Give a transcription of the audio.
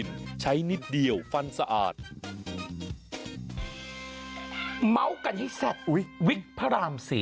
ทำไมอย่างนั้น